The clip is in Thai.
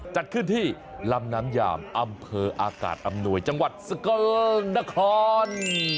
จัดขึ้นที่ลำน้ำยามอำเภออากาศอำนวยจังหวัดสกลนคร